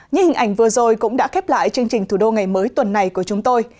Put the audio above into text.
như hình ảnh vừa rồi cũng đã khép lại chương trình thủ đô ngày mới tuần này của chúng tôi